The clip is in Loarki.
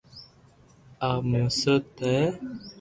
۽ مسرت هئي